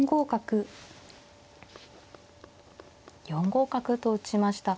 ４五角と打ちました。